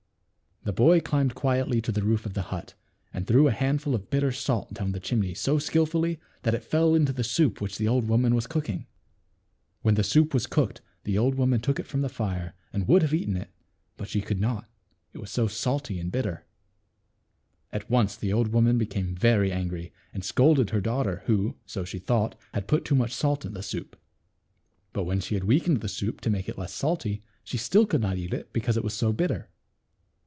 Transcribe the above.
The boy climbed quietly to the roof of the hut, and threw a handful of bitter salt down the chimney so skillfully that it fell into the soup which the old woman was cooking. When the soup was cooked the old woman took it from the fire and would have eaten it ; but she could not, it was so salt and bitter. At once the old woman became very angry, and scolded her daughter, who, so she thought, had put too much salt in the soup. But when she had weakened the soup to. make it less salt, she still could not eat it, because it was so bitter.